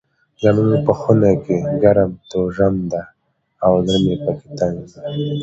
زموږ په خونه کې ګرم توژم ده او زړه مې پکي تنګ ده.